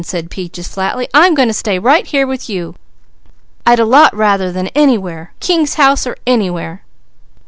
said Peaches flatly. "I'm goin' to stay right here with you. I'd a lot rather than anywhere. King's house or anywhere!"